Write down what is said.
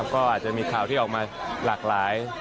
ก็อาจจะมีข่าวที่ออกมาหลากหลาย